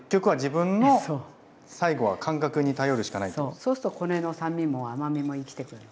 そうするとこれの酸味も甘みも生きてくるの。